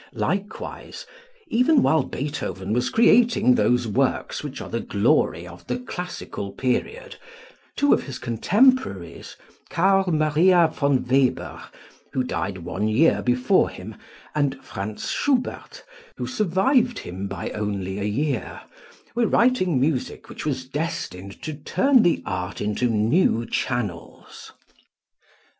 Likewise, even while Beethoven was creating those works which are the glory of the classical period, two of his contemporaries, Carl Maria von Weber, who died one year before him, and Franz Schubert, who survived him by only a year, were writing music which was destined to turn the art into new channels.